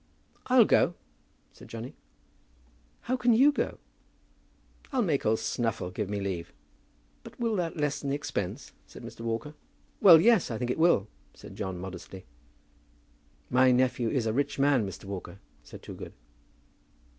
"I'll go," said Johnny. "How can you go?" "I'll make old Snuffle give me leave." "But will that lessen the expense?" said Mr. Walker. "Well, yes, I think it will," said John, modestly. "My nephew is a rich man, Mr. Walker," said Toogood.